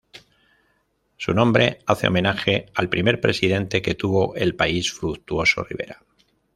Su nombre hace homenaje al primer presidente que tuvo el país Fructuoso Rivera.